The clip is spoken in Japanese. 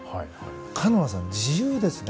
カノアさん、自由ですね